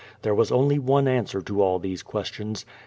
There was only one answer to all these questions.